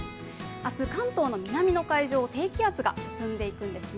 明日、関東の南の海上、低気圧が進んでいくんですね。